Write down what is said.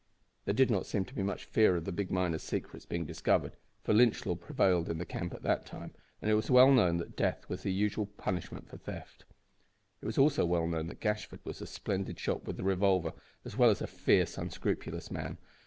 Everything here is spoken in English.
There did not seem to be much fear of the big miner's secrets being discovered, for Lynch law prevailed in the camp at that time, and it was well known that death was the usual punishment for theft. It was also well known that Gashford was a splendid shot with the revolver, as well as a fierce, unscrupulous man.